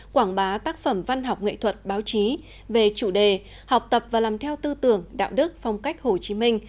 quảng bá tác phẩm văn học nghệ thuật báo chí về chủ đề học tập và làm theo tư tưởng đạo đức phong cách hồ chí minh